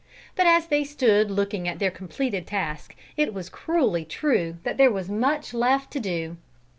But as they stood looking at their completed task, it was cruelly true that there was much left to do.